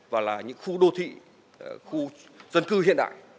và là những khu đô thị khu dân cư hiện đại